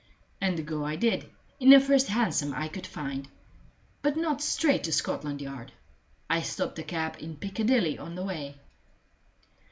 And go I did, in the first hansom I could find but not straight to Scotland Yard. I stopped the cab in Picadilly on the way.